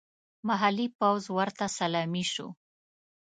محلي پوځ ورته سلامي شو.